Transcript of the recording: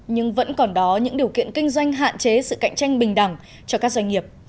nhưng vẫn còn đó những điều kiện kinh doanh hạn chế sự cạnh tranh bình đẳng cho các doanh nghiệp